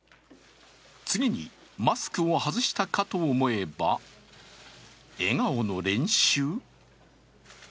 次に、マスクを外したかと思えば笑顔の練習？